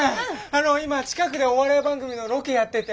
あの今近くでお笑い番組のロケやってて。